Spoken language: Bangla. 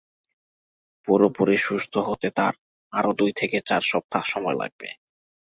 পুরোপুরি সুস্থ হতে তাঁর আরও দুই থেকে চার সপ্তাহ সময় লাগবে।